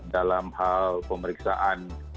dalam hal pemeriksaan